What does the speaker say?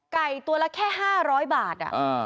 ตัวละแค่๕๐๐บาท